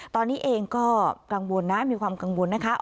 ตอนนี้เองก็กังวลนะมีความกังวลนะคะ